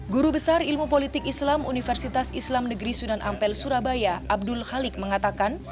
guru besar ilmu politik islam universitas islam negeri sunan ampel surabaya abdul halik mengatakan